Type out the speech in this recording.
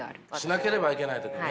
しなければいけない時ね。